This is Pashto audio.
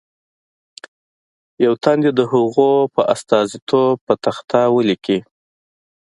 یو تن دې د هغو په استازیتوب په تخته ولیکي.